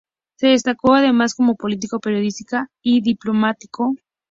Se destacó además como político, periodista y diplomático.